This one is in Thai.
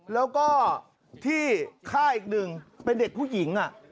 แล้วก็ที่ฆ่าอีกหนึ่งเป็นเด็กผู้หญิง